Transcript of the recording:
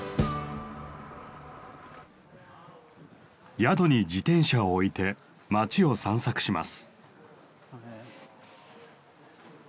宿に自転車を置いて町を散策します。